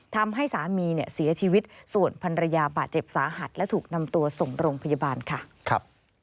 ทำให้สามีเนี่ยเสียชีวิตส่วนพันรยาบาดเจ็บสาหัสและถูกนำตัวส่งโรงพยาบาลค่ะ